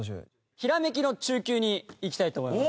ひらめきの中級にいきたいと思います。